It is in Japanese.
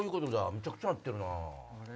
めちゃくちゃになってるなぁ。